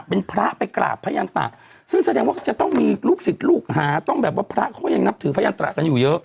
เป็นพระไปกราบพระยันตะซึ่งแสดงว่าจะต้องมีลูกศิษย์ลูกหาต้องแบบว่าพระเขายังนับถือพระยันตระกันอยู่เยอะ